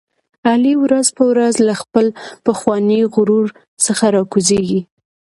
علي ورځ په ورځ له خپل پخواني غرور څخه را کوزېږي.